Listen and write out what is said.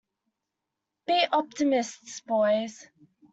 Be optimists, boys.